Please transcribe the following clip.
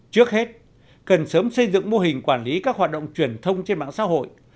trước hết cần sớm xây dựng mô hình quản lý các hoạt động truyền thông trên mạng xã hội